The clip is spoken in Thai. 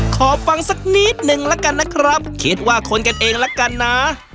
ขอฟังสักนิดนึงละกันนะครับคิดว่าคนกันเองละกันนะ